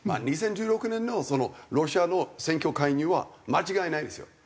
２０１６年のロシアの選挙介入は間違いないですよ。